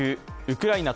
ウクライナ